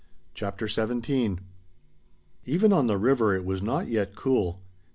CHAPTER XVII Even on the river it was not yet cool.